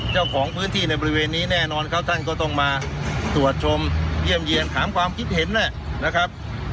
เจ้าของพื้นที่ในบริเวณนี้แน่นอนครับท่านก็ต้องมาตรวจชมเยี่ยมเยี่ยนถามความคิดเห็นแหละนะครับ